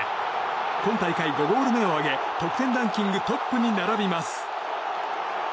今大会５ゴール目を挙げ得点ランキングトップに並びます。